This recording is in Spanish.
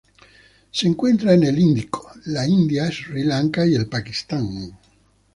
Se encuentra en el Índico: la India, Sri Lanka y el Pakistán.